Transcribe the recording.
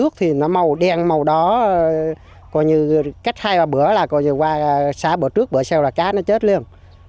cách hai bữa là xả bữa trước bữa sau là cá nó chết liền